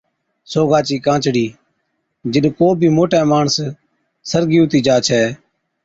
سوگا چِي گانچڙِي، جِڏ ڪو بِي موٽَي ماڻس (بالغ) سرگِي ھُتِي جا ڇَي